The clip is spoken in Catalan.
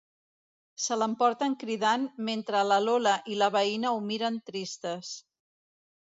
Se l'emporten cridant mentre la Lola i la veïna ho miren tristes.